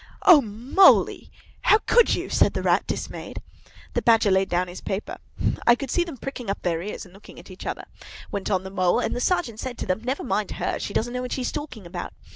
'" "O Moly, how could you?" said the Rat, dismayed. The Badger laid down his paper. "I could see them pricking up their ears and looking at each other," went on the Mole; "and the Sergeant said to them, 'Never mind her; she doesn't know what she's talking about.